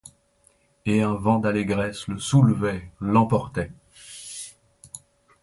Et un vent d'allégresse le soulevait, l'emportait.